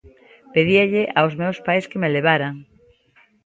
Pedíalle aos meus pais que me levaran.